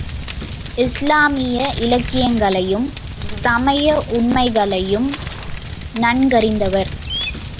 இஸ்லாமிய இலக்கியங்களையும், சமய உண்மைகளையும் நன்கறிந்தவர்.